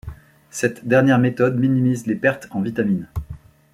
Cette dernière méthode minimise les pertes en vitamines.